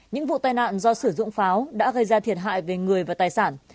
những vụ tai nạn do sử dụng pháo đã gây ra thiệt hại về người và tài sản